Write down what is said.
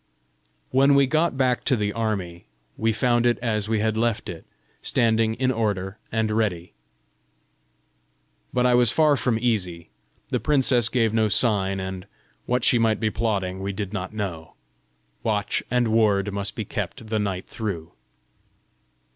When we got back to the army, we found it as we had left it, standing in order and ready. But I was far from easy: the princess gave no sign, and what she might be plotting we did not know! Watch and ward must be kept the night through!